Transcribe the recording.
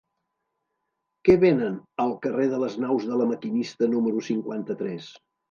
Què venen al carrer de les Naus de La Maquinista número cinquanta-tres?